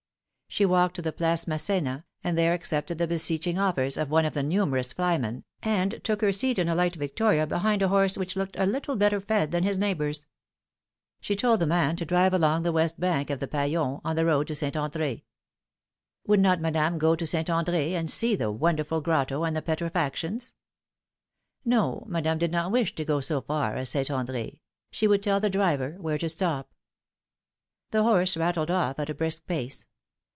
She walked to the Place Massena, and there accepted the beseeching offers of one of the numerous flymen, and took her seat in a light victoria behind a horse which looked a little better fed than his neighbours. She told the man to drive along the west bank of the Paillon, on the road to St. Andre". Would not Madame go to St. Andre", and see the wonderful grotto, and the petrifactions ? No, Madame did not wish to go so far as St. Andre. She would tell the driver where to stop. The horse rattled off at a brisk pace.